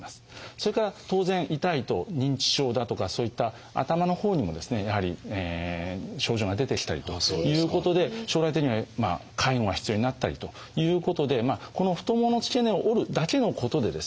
それから当然痛いと認知症だとかそういった頭のほうにもですねやはり症状が出てきたりということで将来的には介護が必要になったりということでこの太ももの付け根を折るだけのことでですね